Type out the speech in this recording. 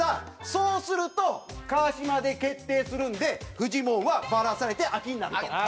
そうすると川島で決定するんでフジモンはバラされて空きになると。